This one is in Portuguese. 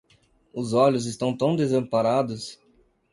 Os olhos estão tão desamparados